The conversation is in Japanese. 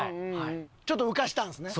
ちょっと浮かしたんですね。